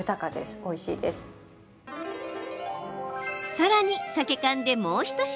さらに、サケ缶でもう一品。